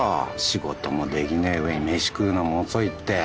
仕事もできねえ上に飯食うのも遅いって。